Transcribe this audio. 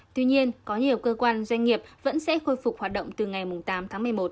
tuy nhiên có nhiều cơ quan doanh nghiệp vẫn sẽ khôi phục hoạt động từ ngày tám tháng một mươi một